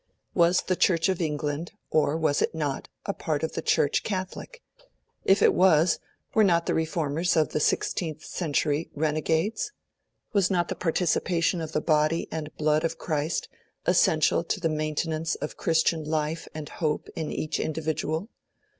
Was the Church of England, or was it not, a part of the Church Catholic? If it was, were not the Reformers of the sixteenth century renegades? Was not the participation of the Body and Blood of Christ essential to the maintenance of Christian life and hope in each individual?